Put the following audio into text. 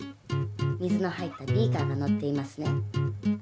水の入ったビーカーがのっていますね。